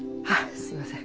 すみません。